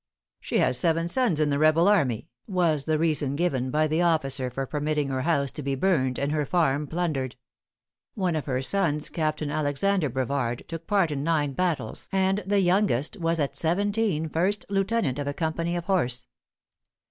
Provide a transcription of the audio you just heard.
"She has seven sons in the rebel army," was the reason given by the officer for permitting her house to be burned and her farm plundered. One of her sons, Captain Alexander Brevard, took part in nine battles, and the youngest was at seventeen first lieutenant of a company of horse.